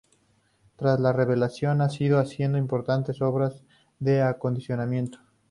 Tras la reversión, se han ido haciendo importantes obras de acondicionamiento.